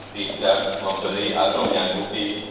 tidak membeli atau nyangkuti